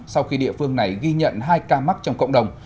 sau khi địa phương này ghi nhận hai ca mắc trong cộng đồng